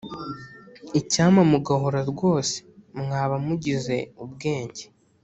Icyampa mugahora rwose, Mwaba mugize ubwenge